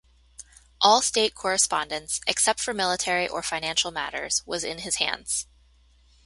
All state correspondence, except for military or financial matters, was in his hands.